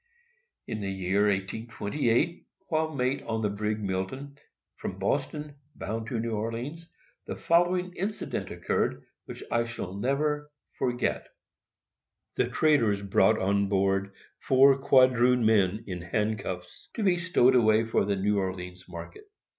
In the year 1828, while mate of the brig Milton, from Boston, bound to New Orleans, the following incident occurred, which I shall never forget: The traders brought on board four quadroon men in handcuffs, to be stowed away for the New Orleans market.